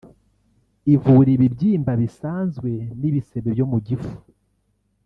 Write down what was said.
ivura ibibyimba bisanzwe n’ibisebe byo mu gifu